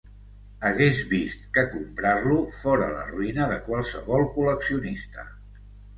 Hagués vist que comprar-lo fora la ruïna de qualsevol col·leccionista.